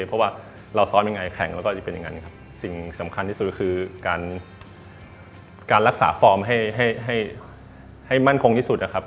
เพราะว่าเราซ้อมยังไงแข่งแล้วก็จะเป็นอย่างนั้นครับสิ่งสำคัญที่สุดคือการรักษาฟอร์มให้ให้มั่นคงที่สุดนะครับ